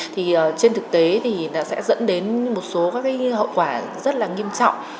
trên thực tế thì sẽ dẫn đến một số hậu quả rất nghiêm trọng